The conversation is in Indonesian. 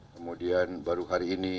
kemudian baru hari ini